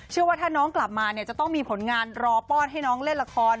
ว่าถ้าน้องกลับมาเนี่ยจะต้องมีผลงานรอป้อนให้น้องเล่นละคร